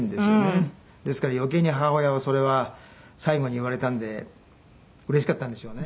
ですから余計に母親はそれは最期に言われたんでうれしかったんでしょうね。